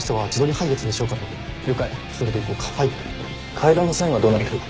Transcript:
階段のサインはどうなってる？